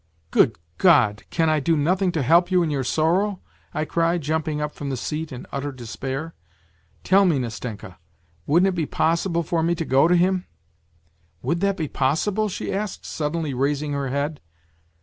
" Good God, can I do nothing to help you in your sorrow ?" I cried jumping up from the seat in utter despair. " Tell me, Nastenka, wouldn't it be possible for me to go to him ?"" Would that be possible ?" she asked suddenly, raising her head.